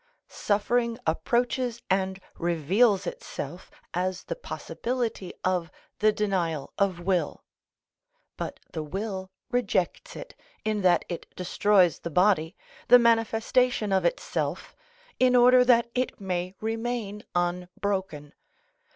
Suffering approaches and reveals itself as the possibility of the denial of will; but the will rejects it, in that it destroys the body, the manifestation of itself, in order that it may remain unbroken.